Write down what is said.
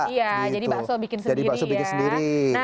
iya jadi bakso bikin sendiri ya